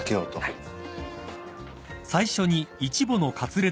はい。